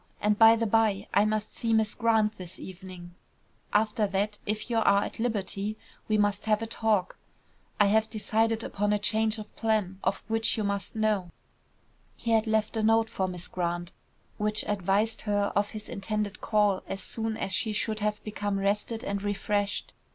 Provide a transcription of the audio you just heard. And, by the bye, I must see Miss Grant this evening; after that, if you are at liberty, we must have a talk. I have decided upon a change of plan, of which you must know." He had left a note for Miss Grant, which advised her of his intended call as soon as she should have become rested and refreshed.